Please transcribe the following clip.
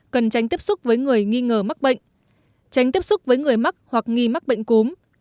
cần tránh tiếp xúc với người nghi ngờ mắc bệnh tránh tiếp xúc với người mắc hoặc nghi mắc bệnh cúm